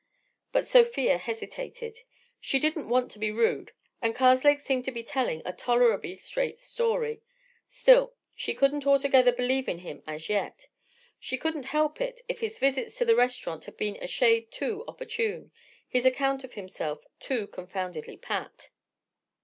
But Sofia hesitated. She didn't want to be rude, and Karslake seemed to be telling a tolerably straight story; still, she couldn't altogether believe in him as yet. She couldn't help it if his visit to the restaurant had been a shade too opportune, his account of himself too confoundedly pat.